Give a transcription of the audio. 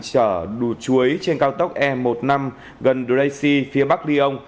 chở đùa chuối trên cao tốc e một mươi năm gần durexie phía bắc lyon